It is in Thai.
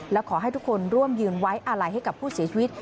และขอให้ทุกคนร่วมยืนไว้อาลัยให้กับผู้เสียชีวิต